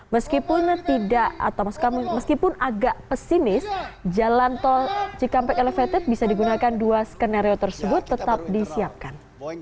meskipun agak pesinis jalan tol cikampek elevated bisa digunakan dua skenario tersebut tetap disiapkan